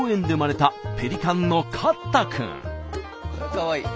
かわいい。